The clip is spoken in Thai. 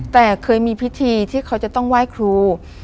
แต่เคยมีพิธีที่เขาจะต้องไหว้ครู